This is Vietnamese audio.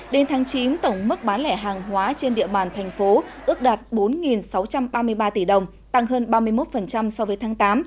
đến tháng chín tổng mức bán lẻ hàng hóa trên địa bàn thành phố ước đạt bốn sáu trăm ba mươi ba tỷ đồng tăng hơn ba mươi một so với tháng tám